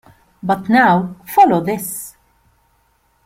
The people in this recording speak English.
But now follow this!